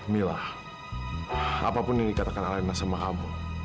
mila apapun yang dikatakan alena sama kamu